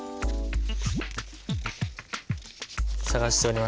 探しております。